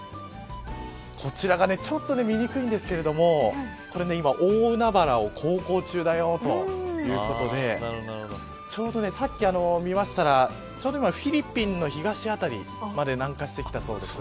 こちらがちょっと見にくいんですけど今、大海原を航行中だよということでちょうどさっき見ましたらちょうど今フィリピンの東辺りまで南下してきたそうです。